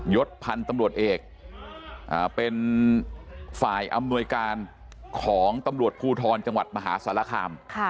ศพันธ์ตำรวจเอกเป็นฝ่ายอำนวยการของตำรวจภูทรจังหวัดมหาสารคาม